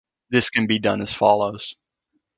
This can be done as follows.